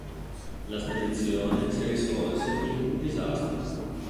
La spedizione si risolse in un disastro.